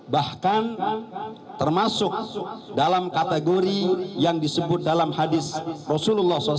bahkan termasuk dalam kategori yang disebut dalam hadis rasulullah saw